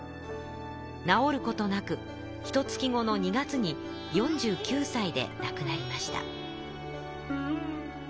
治ることなく１か月後の２月に４９さいでなくなりました。